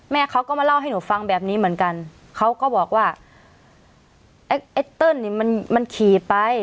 แม่เขาก็มาเล่าให้หนูฟังแบบนี้เหมือนกันเขาก็บอกว่าไอ้เติ้ลนี่มันมันขี่ไป